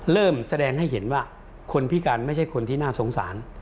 แสดงให้เห็นว่าคนพิการไม่ใช่คนที่น่าสงสาร